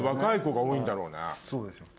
そうですよね。